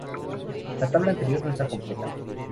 La tabla anterior no está completa.